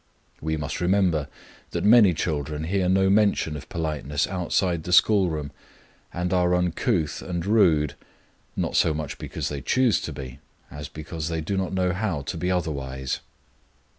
We must remember that many children hear no mention of politeness outside the school room, and are uncouth and rude, not so much because they choose to be, as because they do not know how to be otherwise.